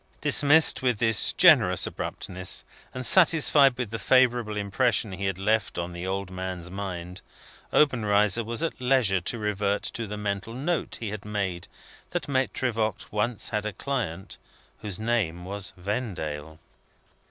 Dismissed with this generous abruptness, and satisfied with the favourable impression he had left on the old man's mind, Obenreizer was at leisure to revert to the mental note he had made that Maitre Voigt once had a client whose name was Vendale.